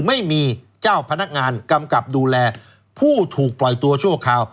ไม่มีเจ้าพนักงานกำกับดูแลผู้ถูกปล่อยตัวชั่วคราว